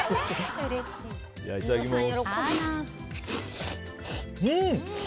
いただきます。